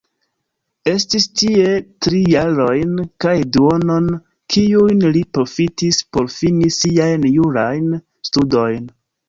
Estis tie tri jarojn kaj duonon, kiujn li profitis por fini siajn jurajn studojn.